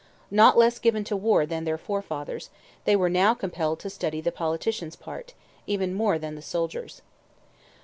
Not less given to war than their forefathers, they were now compelled to study the politician's part, even more than the soldier's.